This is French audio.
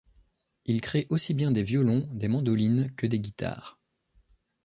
Il crée aussi bien des violons, des mandolines, que des guitares.